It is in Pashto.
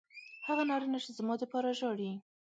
هغه نارینه چې زما دپاره ژاړي